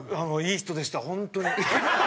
いい人でした本当に。